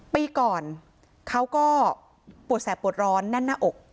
ปีก่อนเขาก็ปวดแสบปวดร้อนแน่นหน้าอก